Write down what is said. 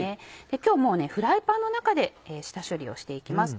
今日もうフライパンの中で下処理をして行きます。